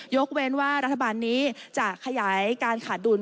เว้นว่ารัฐบาลนี้จะขยายการขาดดุล